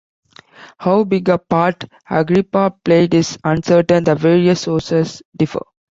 How big a part Agrippa played is uncertain; the various sources differ.